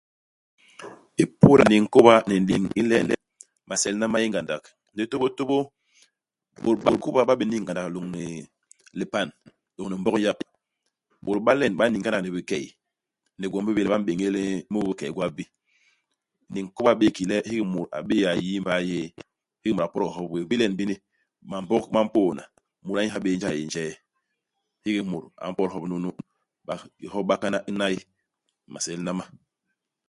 Ipôla niñ i kôba ni niñ i len, maselna ma yé ngandak, ndi tôbôtôbô, bôt ba kôba ba bé niñ ngandak lôñni lipan, lôñni Mbog yap. Bôt ba len ba n'niñ ngandak ni bikey, ni gwom bi bi yé le ba m'béñél mu i bikey gwap bi. Niñ i kôba i bé'é ki le, hiki mut a bé'é a yii i mbay yéé, hiki mut a podok hop wéé. Ibilen bini, maMbog ma mpôdna. Mut a n'yi ha bé njee a yé jee. Hiki mut a mpot hop u nunu. Ba hop u bakana u n'nay. Maselna ma.